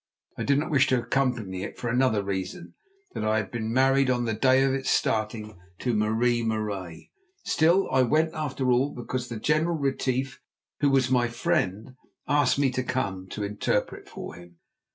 I did not wish to accompany it for another reason: that I had been married on the day of its starting to Marie Marais. Still, I went after all because the General Retief, who was my friend, asked me to come, to interpret for him."